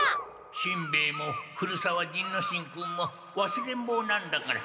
しんべヱも古沢仁之進君もわすれんぼうなんだから。